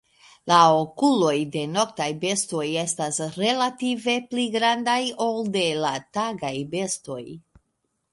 La okuloj de noktaj bestoj estas relative pli grandaj, ol de la tagaj bestoj.